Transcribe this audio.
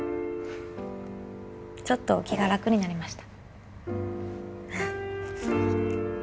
ちょっと気が楽になりました